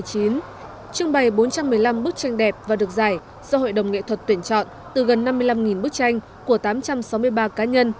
trưng bày bốn trăm một mươi năm bức tranh đẹp và được giải do hội đồng nghệ thuật tuyển chọn từ gần năm mươi năm bức tranh của tám trăm sáu mươi ba cá nhân